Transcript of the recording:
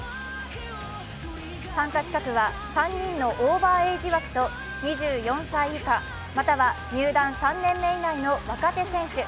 参加資格は３人のオーバーエイジ枠と２４歳以下、または入団３年目以内の若手選手。